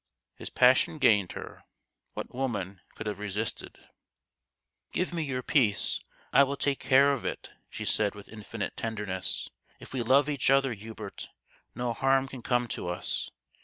His passion gained her. What woman could have resisted ?" Give me your peace, I will take care of it," she said with infinite tenderness. " If we love each other, Hubert, no harm can come to us.